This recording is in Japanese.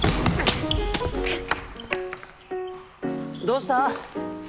どうした？